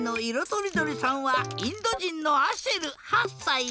とりどりさんはインドじんのアシェル８さい。